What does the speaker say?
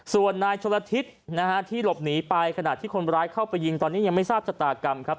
ส่วนนายชนละทิศนะฮะที่หลบหนีไปขณะที่คนร้ายเข้าไปยิงตอนนี้ยังไม่ทราบชะตากรรมครับ